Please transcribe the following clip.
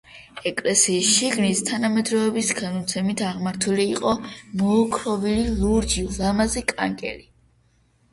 ეკლესიის შიგნით, თანამედროვეების გადმოცემით, აღმართული იყო მოოქროვილი ლურჯი, ლამაზი კანკელი.